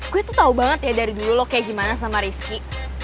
gue itu tau banget ya dari dulu lo kayak gimana sama rizky